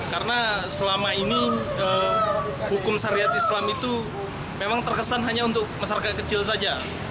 karena selama ini hukum syariat islam itu memang terkesan hanya untuk masyarakat kecil saja